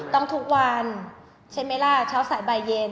ทุกวันใช่ไหมล่ะเช้าสายบ่ายเย็น